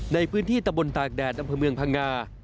ในพื้นที่ตะบนตากแดดอำเภอเมืองพังงา